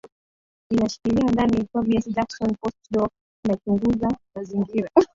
inashikilia ndani Tobias Jackson Postdoc inachunguza mazingira